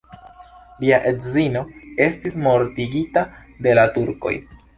Lia edzino estis mortigita de la turkoj.